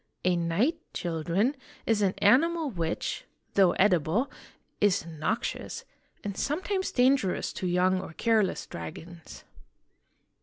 A knight, children, is an animal which, though edible, is noxious, and sometimes dangerous to young or careless dragons.